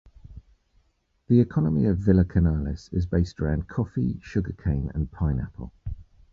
The economy of Villa Canales is based around coffee, sugercane, and pineapple.